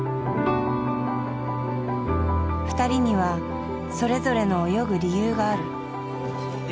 ２人にはそれぞれの泳ぐ理由がある。